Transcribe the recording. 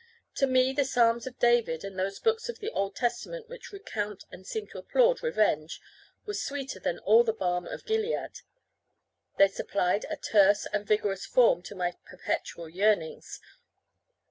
To me the Psalms of David, and those books of the Old Testament which recount and seem to applaud revenge, were sweeter than all the balm of Gilead; they supplied a terse and vigorous form to my perpetual yearnings.